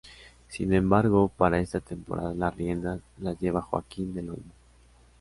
Sin embargo para esta temporada las riendas las lleva Joaquín del Olmo.